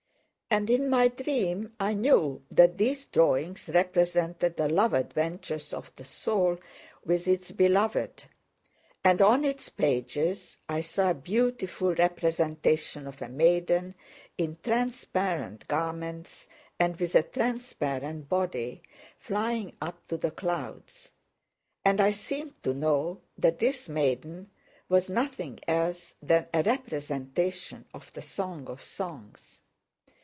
And in my dream I knew that these drawings represented the love adventures of the soul with its beloved. And on its pages I saw a beautiful representation of a maiden in transparent garments and with a transparent body, flying up to the clouds. And I seemed to know that this maiden was nothing else than a representation of the Song of Songs.